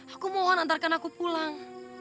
aku mohon antarkan aku pulang